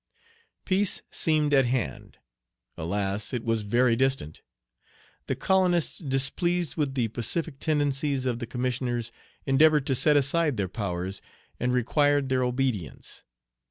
Peace seemed at hand. Alas! it was very distant. The colonists, displeased with the pacific tendencies of the commissioners, endeavored to set aside their powers, and required their obedience.